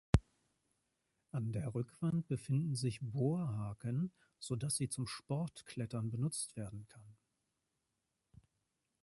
An der Rückwand befinden sich Bohrhaken, sodass sie zum Sportklettern genutzt werden kann.